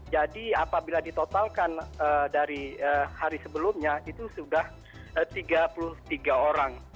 jadi apabila ditotalkan dari hari sebelumnya itu sudah tiga puluh tiga orang